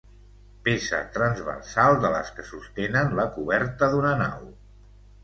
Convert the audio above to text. Peça transversal de les que sostenen la coberta d'una nau.